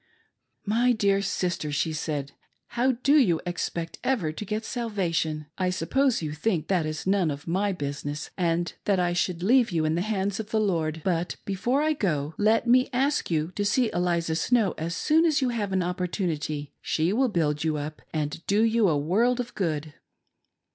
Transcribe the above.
" My dear Sister," she said, " how do yoii expect ever to get salvation } I suppose you think that is none of my business, and that I should leave you in the hands of the Lord. But 4l6 "I WANT SISTER FANNY." .before I go, let me ask you to see Eliza Snow as soon as you have an opportunity. She will build you up, and do you a world of good."